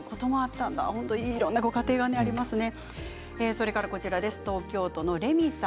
いろんなご家庭がありますね。